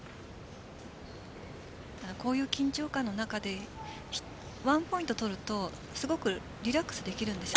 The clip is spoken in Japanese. こういう緊張感の中で１ポイント取るとすごくリラックスできるんです。